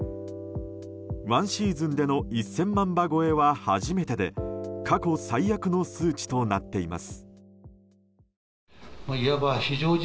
１シーズンでの１０００万羽超えは初めてで過去最悪の数値となっています。